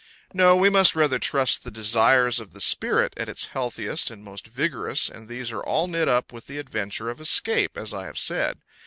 No, we must rather trust the desires of the spirit at its healthiest and most vigorous, and these are all knit up with the adventure of escape, as I have said.